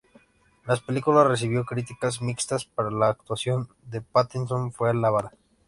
La película recibió críticas mixtas, pero la actuación de Pattinson fue alabada.